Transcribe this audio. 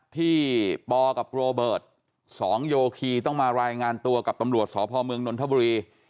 ที่ปกับโรเบิร์ต๒โยคีต้องมารายงานตัวกับตำรวจสพเมืองนนทบุรี